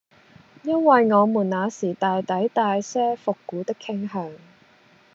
因爲我們那時大抵帶些復古的傾向，